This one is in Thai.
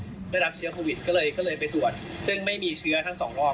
ที่ได้รับเชื้อโควิดก็เลยไปตรวจซึ่งไม่มีเชื้อทั้งสองรอบครับ